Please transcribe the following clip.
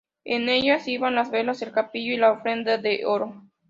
En ella iban las velas, el capillo y la ofrenda de oro.